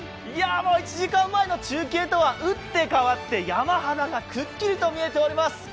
１時間前の中継とは打って変わって山肌がくっきりと見えています。